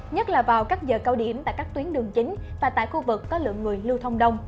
nhất là vào các giờ cao điểm tại các tuyến đường chính và tại khu vực có lượng người lưu thông đông